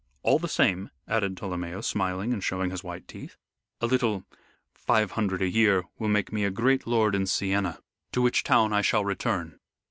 All the same," added Tolomeo, smiling and showing his white teeth, "a little five hundred a year will make me a great lord in Siena, to which town I shall return."